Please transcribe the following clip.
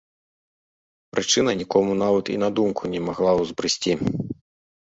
Прычына нікому нават і на думку не магла ўзбрысці.